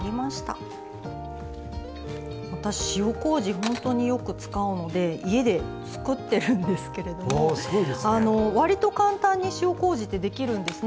私、塩こうじ本当によく使うので家で作ってるんですけれどもわりと簡単に塩こうじってできるんですね。